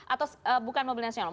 atau bukan mobil nasional